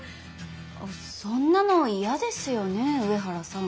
そんなの嫌ですよねえ上原さん。